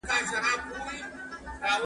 د ارغنداب سیند شفافې اوبه د ښکلا بیلګه ده.